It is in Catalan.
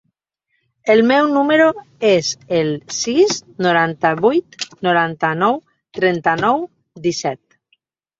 El meu número es el sis, noranta-vuit, noranta-nou, trenta-nou, disset.